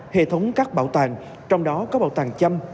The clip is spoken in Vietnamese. hệ thống các bảo tàng trong đó có bảo tàng châm